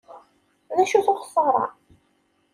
Acu-t uxessar-a?